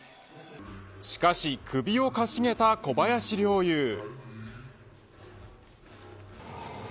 しかし首をかしげた小林陵侑。